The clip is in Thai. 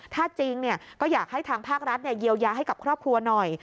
ถ้าจริงก็อยากให้ทางภาครัฐเยียวยาให้กับครอบครัวหน่อย